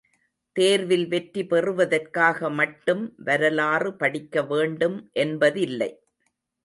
தேர்வில் வெற்றி பெறுவதற்காக மட்டும் வரலாறு படிக்க வேண்டும் என்பதில்லை.